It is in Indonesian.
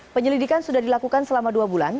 penyelidikan sudah dilakukan selama dua bulan